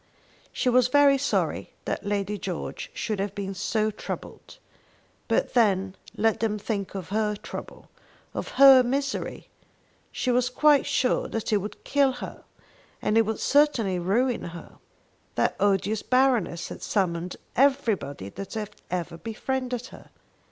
She was very sorry that Lady George should have been so troubled; but then let them think of her trouble, of her misery! She was quite sure that it would kill her, and it would certainly ruin her. That odious Baroness had summoned everybody that had ever befriended her.